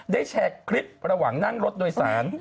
แชร์คลิประหว่างนั่งรถโดยสาร